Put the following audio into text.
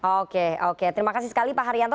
oke oke terima kasih sekali pak haryanto